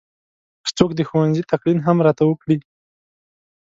که څوک د ښوونځي تلقین هم راته وکړي.